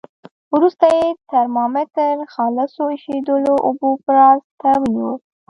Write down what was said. وروسته یې ترمامتر خالصو ایشېدلو اوبو بړاس ته ونیو.